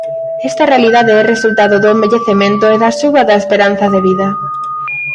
Esta realidade é resultado do envellecemento e da suba da esperanza de vida.